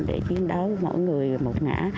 để chiến đấu mỗi người một ngã